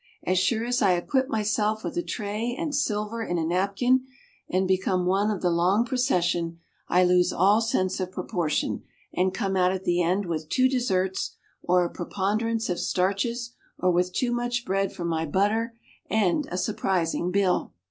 As sure as I equip myself with a tray and silver in a napkin and become one of the long procession, I lose all sense of proportion, and come out at the end with two desserts, or a preponderance of starches or with too much bread for my butter, and a surprising bill.